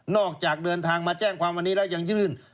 จากเดินทางมาแจ้งความวันนี้แล้วยังยื่น